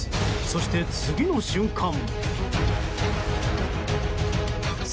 そして、次の瞬間。